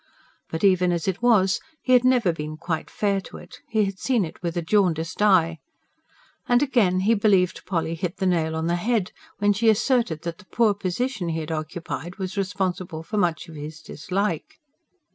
But even as it was, he had never been quite fair to it; he had seen it with a jaundiced eye. And again he believed Polly hit the nail on the head, when she asserted that the poor position he had occupied was responsible for much of his dislike.